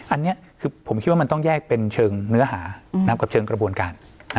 อันนี้คือผมคิดว่ามันต้องแยกเป็นเชิงเนื้อหากับเชิงกระบวนการ